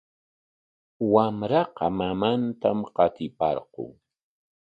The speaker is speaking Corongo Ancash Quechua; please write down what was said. Wamraqa mamantam qatiparqun.